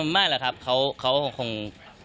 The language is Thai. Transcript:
ไม่แหละครับเขาคง